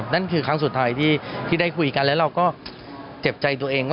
นั่นคือครั้งสุดท้ายที่ได้คุยกันแล้วเราก็เจ็บใจตัวเอง